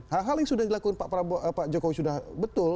hal hal yang sudah dilakukan pak jokowi sudah betul